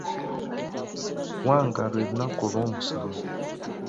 Wanga lwe lunaku olwomusanvu.